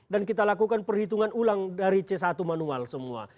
dan kita lakukan perhitungan ulang dari c satu manual semua